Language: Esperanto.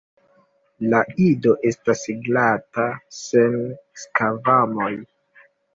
La ido estas glata sen skvamoj.